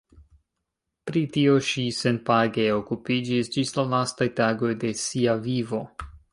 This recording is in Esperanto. Pri tio ŝi senpage okupiĝis ĝis la lastaj tagoj de sia vivo.